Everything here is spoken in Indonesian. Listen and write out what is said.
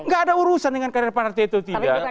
enggak ada urusan dengan kader partai itu atau tidak